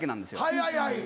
はいはいはい。